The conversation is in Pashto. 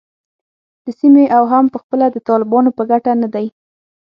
د سیمې او هم پخپله د طالبانو په ګټه نه دی